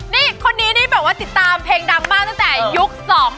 นี่คนนี้ติดตามเพลงดังมากตั้งแต่ยุค๒๕๔๕